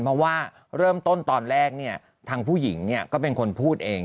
เพราะว่าเริ่มต้นตอนแรกเนี่ยทางผู้หญิงเนี่ยก็เป็นคนพูดเอง